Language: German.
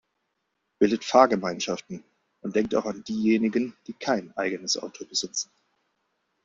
Bildet Fahrgemeinschaften und denkt auch an diejenigen, die kein eigenes Auto besitzen.